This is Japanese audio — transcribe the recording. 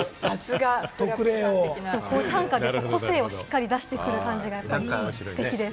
短歌でも個性をしっかり出してくる感じがステキです。